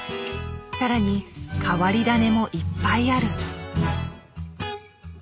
更に変わり種もいっぱいある。